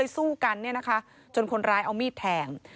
ทุกกันเนี่ยนะคะจนคนร้ายเอามีดแทง